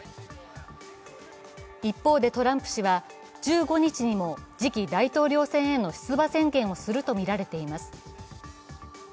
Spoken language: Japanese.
一方で、トランプ氏は１５日にも次期大統領選への出馬宣言をすると見られています。